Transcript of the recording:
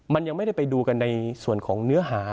มันยังไม่ได้ไปดูกันในส่วนของเนื้อหา